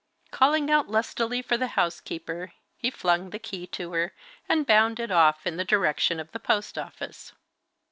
Calling out lustily for the housekeeper, he flung the key to her, and bounded off in the direction of the post office.